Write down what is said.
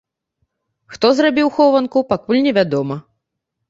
Хто зрабіў хованку, пакуль не вядома.